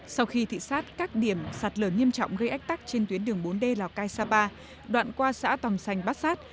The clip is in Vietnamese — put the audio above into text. sau khi thị xác các điểm sạt lờ nghiêm trọng gây ách tắc trên tuyến đường bốn d lào cai sapa đoạn qua xã tòm xanh bát sát